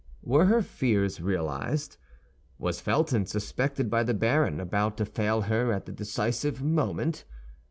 Were her fears realized? Was Felton, suspected by the baron, about to fail her at the decisive moment?